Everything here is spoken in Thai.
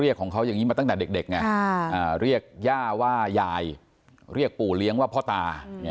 ของเขาอย่างนี้มาตั้งแต่เด็กไงเรียกย่าว่ายายเรียกปู่เลี้ยงว่าพ่อตา